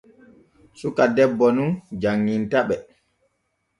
Suka debbo nun janŋintaɓe.